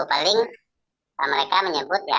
paling mereka menyebut ya kalau pimpinan membuat kebijakan